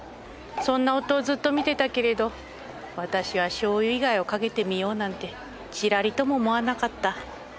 そんな夫をずっと見てたけれど私はしょうゆ以外をかけてみようなんてちらりとも思わなかった。